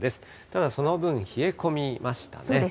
ただその分、冷え込みましたね。